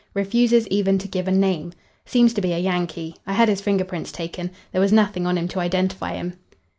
Refuses even to give a name. Seems to be a Yankee. I had his finger prints taken. There was nothing on him to identify him."